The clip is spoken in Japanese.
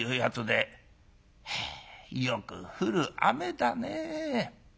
「はあよく降る雨だねえ。